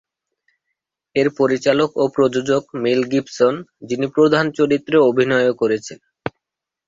এর পরিচালক ও প্রযোজক মেল গিবসন, যিনি প্রধান চরিত্রে অভিনয়ও করেছেন।